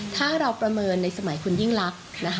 ถ้าเราประเมินในสมัยคุณยิ่งลักษณ์